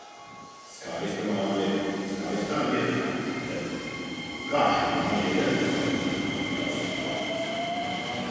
Skaista māja, skaistā vietā. Bet... Kā šī māja ir remontēta, tas ir vāks.